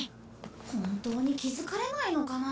本当に気づかれないのかな？